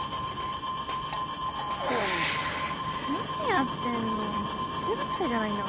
何やってんの。